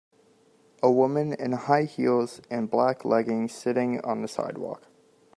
A woman in high heels and black leggings sitting on the sidewalk.